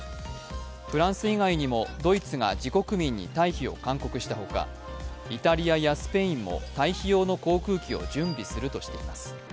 フランス以外にもドイツが自国民に退避を勧告したほか、イタリアやスペインも退避用の航空機を準備するとしています。